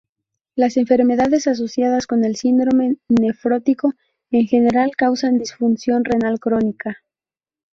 Las enfermedades asociadas con el síndrome nefrótico en general causan disfunción renal crónica.